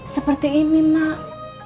seperti ini mak